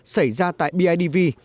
xảy ra tại bidv